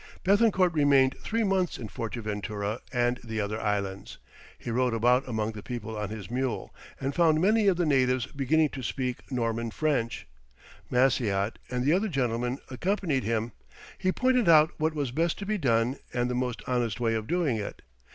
Béthencourt remained three months in Fortaventura and the other islands. He rode about among the people on his mule, and found many of the natives beginning to speak Norman French. Maciot and the other gentlemen accompanied him, he pointing out what was best to be done and the most honest way of doing it.